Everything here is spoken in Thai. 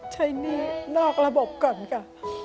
หนี้นอกระบบก่อนค่ะ